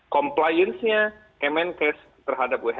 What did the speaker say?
compliance nya kemenkes terhadap who